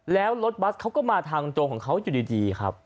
แล้วรถบัสเขาก็มาทางตรงของเขาอยู่ดีครับ